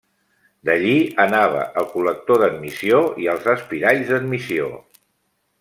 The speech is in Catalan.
D’allí anava al col·lector d’admissió i als espiralls d’admissió.